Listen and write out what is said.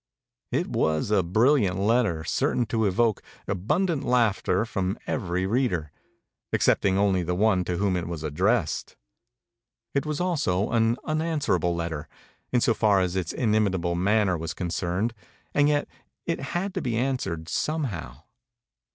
It was a brilliant letter, certain to evoke abundant laughter from every reader excepting only the one to whom it was ad dressed. It was also an unanswerable letter, in so far as its inimitable manner was concerned; yet it had to be answered somehow.